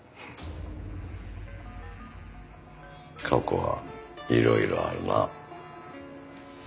過去はいろいろあるな。